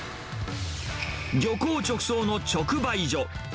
漁港直送の直売所。